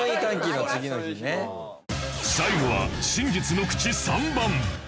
最後は真実のクチ３番